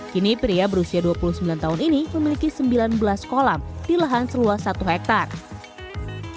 kini pria berusia dua puluh sembilan tahun ini memiliki sembilan belas kolam di lahan seluas satu hektare